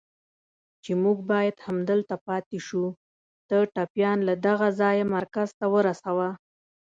چې موږ باید همدلته پاتې شو، ته ټپيان له دغه ځایه مرکز ته ورسوه.